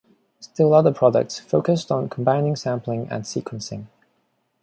Still other products focused on combining sampling and sequencing.